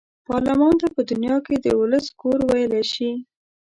پارلمان ته په دنیا کې د ولس کور ویلای شي.